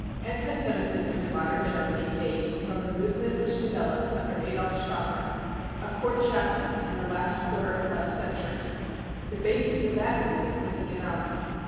Anti Semitism in modern Germany dates from the movement which developed under Adolf Stocker, a court chaplain, in the last quarter of last century. The basis of that movement was economic.